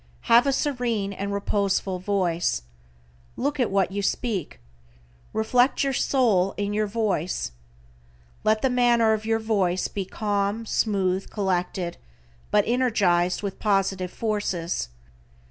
Have a serene and reposeful voice. Look at what you speak. Reflect your soul in your voice. Let the manner of your voice be calm, smooth, collected, but energized with positive forces.